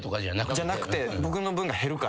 じゃなくて。